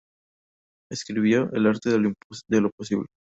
Escribió "El Arte de lo posible.